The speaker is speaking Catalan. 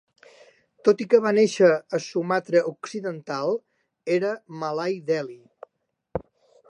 Tot i que va néixer a Sumatra occidental, era malai deli.